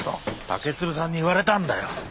竹鶴さんに言われたんだよ。